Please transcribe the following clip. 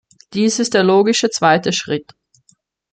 Dies ist der logische zweite Schritt.